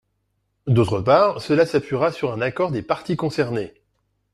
D’autre part, cela s’appuiera sur un accord des parties concernées.